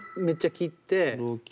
めっちゃ切って。